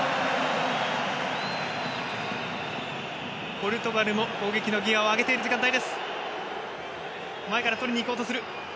ポルトガルも攻撃のギヤを上げている時間帯です。